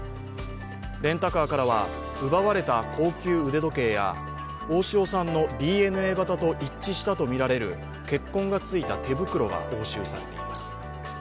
レンタカーからは、奪われた高級腕時計や大塩さんのＤＮＡ型と一致したとみられる血痕がついた手袋が押収されています。